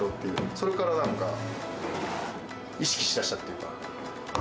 それから何か意識しだしたっていうのかな。